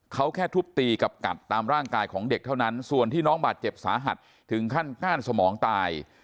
เขาแค่ทุบตีกับกัดตามร่างกายของเด็กเท่านั้นส่วนที่น้องบาดเจ็บสาหัสถึงขั้นก้านสมองตาย